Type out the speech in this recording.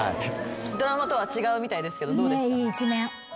ドラマとは違うみたいですけどどうですか？